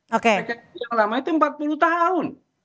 rekening yang lama itu empat puluh tahun